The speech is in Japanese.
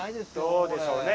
どうでしょうね？